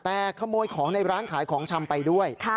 แต่ขโมยของในร้านขายของชำไปด้วย